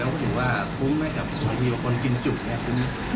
แล้วคุณว่าคุ้มไหมครับมีคนกินจุดเนี่ยคุ้มไหม